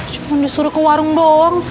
cuman disuruh ke warung bohong